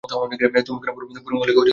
তুমি কেন বুড়ো মহিলাকে উচ্চ আশা দিচ্ছো?